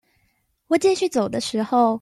我繼續走的時候